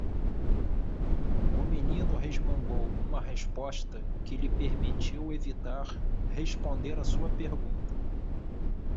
O menino resmungou uma resposta que lhe permitiu evitar responder a sua pergunta.